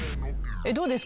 どうですか？